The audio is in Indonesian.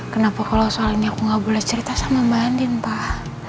kenapa kalau soal ini aku nggak boleh cerita sama mbak andin pak